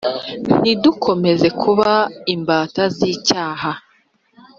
ntidukomeze kuba imbata z’icyaha